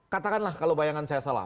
katakanlah kalau bayangan saya salah